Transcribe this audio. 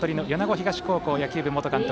東高校野球部元監督